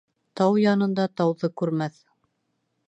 Тау янында тауҙы күрмәҫ.